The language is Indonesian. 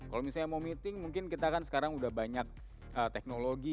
kalau misalnya mau meeting mungkin kita kan sekarang udah banyak teknologi